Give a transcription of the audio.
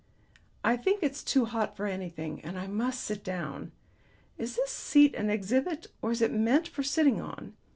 "I think it's too hot for anything, and I must sit down. Is this seat an exhibit or is it meant for sitting on?"